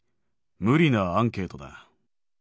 無理なアンケートだ。